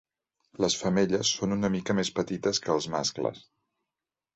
Les femelles són una mica més petites que els mascles.